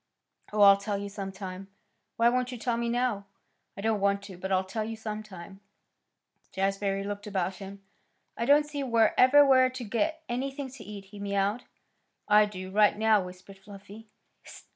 "Oh, I'll tell you some time." "Why won't you tell me now?" "I don't want to; but I'll tell you some time." Jazbury looked about him. "I don't see wherever we're to get anything to eat," he mewed. "I do, right now," whispered Fluffy.